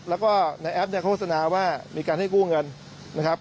แล้วก็ในแอปเนี่ยโฆษณาว่ามีการให้กู้เงินนะครับ